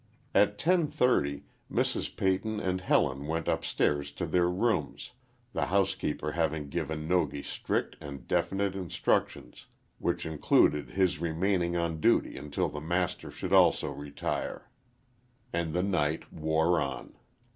At ten thirty, Mrs. Peyton and Helen went upstairs to their rooms, the housekeeper having given Nogi strict and definite instructions, which included his remaining on duty until the master should also retire. And the night wore on.